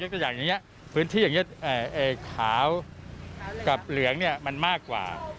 เฉพาะอย่างนี้พื้นที่อย่างนี้ขาวกับเหลืองมันมากกว่า